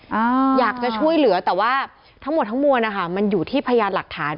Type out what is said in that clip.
อ่าอยากจะช่วยเหลือแต่ว่าทั้งหมดทั้งมวลนะคะมันอยู่ที่พยานหลักฐาน